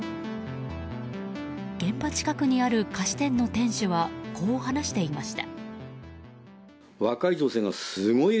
現場近くにある菓子店の店主はこう話していました。